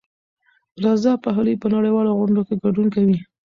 رضا پهلوي په نړیوالو غونډو کې ګډون کوي.